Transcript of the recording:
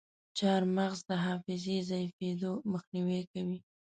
چارمغز د حافظې ضعیفیدو مخنیوی کوي.